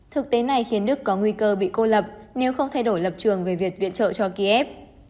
thực tế này khiến đức có nguy cơ bị cô lập nếu không thay đổi lập trường về việc viện trợ cho kiev